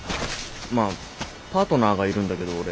まあパートナーがいるんだけど俺。